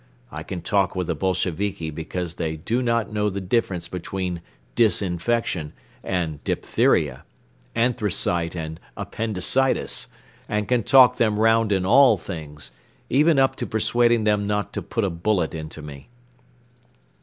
I can talk with the Bolsheviki because they do not know the difference between 'disinfection' and 'diphtheria,' 'anthracite' and 'appendicitis' and can talk them round in all things, even up to persuading them not to put a bullet into me."